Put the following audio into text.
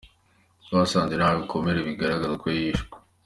Twasanze nta bikomere bigaragaza ko yishwe.